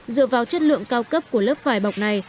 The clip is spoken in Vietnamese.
dựa vào chất lượng cao cấp của lớp vải bọc này